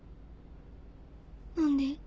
何で？